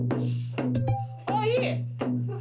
あっいい！